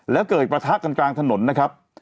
แล้วเกิดประทะกันกลางถนนนะครับ